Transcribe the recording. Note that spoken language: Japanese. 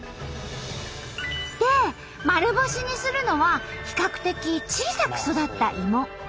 で丸干しにするのは比較的小さく育った芋。